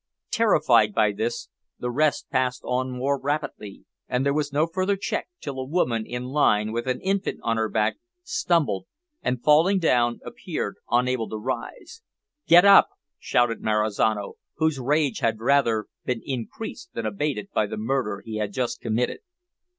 Terrified by this, the rest passed on more rapidly, and there was no further check till a woman in the line, with an infant on her back, stumbled, and, falling down, appeared unable to rise. "Get up!" shouted Marizano, whose rage had rather been increased than abated by the murder he had just committed.